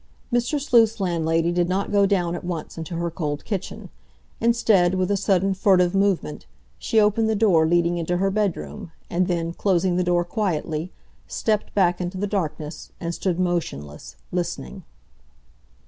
Mr. Sleuth's landlady did not go down at once into her cold kitchen; instead, with a sudden furtive movement, she opened the door leading into her bedroom, and then, closing the door quietly, stepped back into the darkness, and stood motionless, listening.